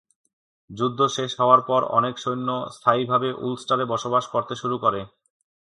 যুদ্ধ শেষ হওয়ার পর, অনেক সৈন্য স্থায়ীভাবে উলস্টারে বসবাস করতে শুরু করে।